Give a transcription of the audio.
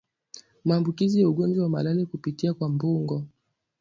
maambukizi ya ugonjwa wa malale kupitia kwa mbungo